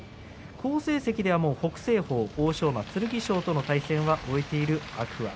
好成績では北青鵬欧勝馬、剣翔との対戦は終えている天空海。